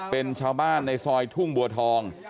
เป็นชาวบ้านในซอยทุ่งบัวทอง